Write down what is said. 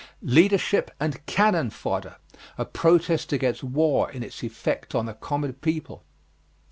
Leadership and "cannon fodder" a protest against war in its effect on the common people.